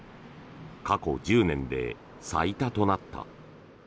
過去１０年で最多となった。